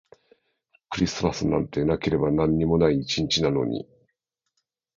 クリスマスなんてなければ何にもない一日なのに